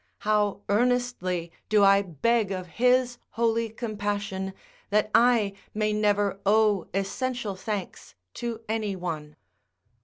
How earnestly do I beg of his holy compassion that I may never owe essential thanks to any one.